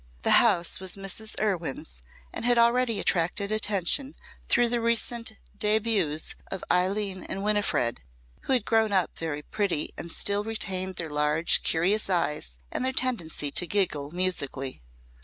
The house was Mrs. Erwyn's and had already attracted attention through the recent débuts of Eileen and Winifred who had grown up very pretty and still retained their large, curious eyes and their tendency to giggle musically.